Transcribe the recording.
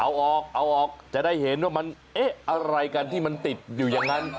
เอาออกเอาออกจะได้เห็นว่ามันเอ๊ะอะไรกันที่มันติดอยู่อย่างนั้น